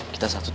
kita kenyang cuy